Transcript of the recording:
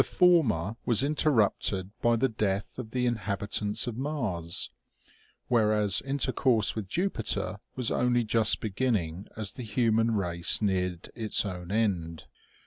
205 former was interrupted by the death of the inhabitants of Mars ; whereas intercourse with Jupiter was only just beginning as the human race neared its own end.